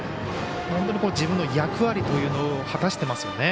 自分の役割というのを果たしていますよね。